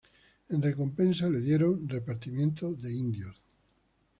En recompensa le dieron repartimientos de indios.